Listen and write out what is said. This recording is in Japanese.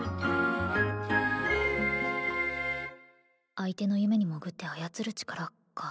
相手の夢に潜って操る力か